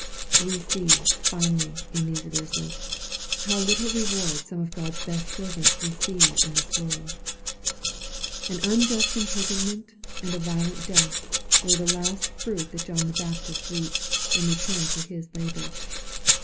We see, finally, in these verses, how little reward some of God's best servants receive in this world. An unjust imprisonment and a violent death, were the last fruit that John the Baptist reaped, in return for his labor.